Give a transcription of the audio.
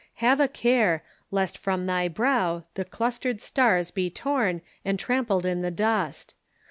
Have a care Lest from thy brow the clustered stars be torn And trampled in the dust.